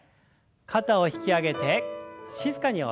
肩を引き上げて静かに下ろして。